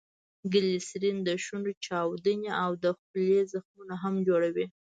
ګلیسرین دشونډو چاودي او دخولې زخمونه هم جوړوي.